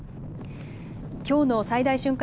きょうの最大瞬間